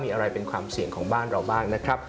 มีอะไรเป็นความเสี่ยงของบ้านเราบ้างนะครับ